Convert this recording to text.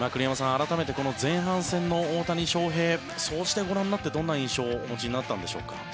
改めてこの前半戦の大谷翔平総じてご覧になってどんな印象をお持ちになったんでしょうか。